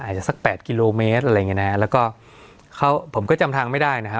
อาจจะสักแปดกิโลเมตรอะไรอย่างเงี้นะฮะแล้วก็เขาผมก็จำทางไม่ได้นะฮะ